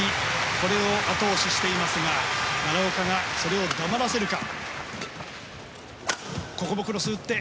これを後押ししていますが奈良岡がそれを黙らせるか。